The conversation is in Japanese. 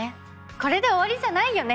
これで終わりじゃないよね。